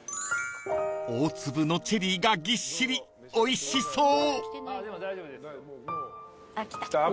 ［大粒のチェリーがぎっしりおいしそう！］来た。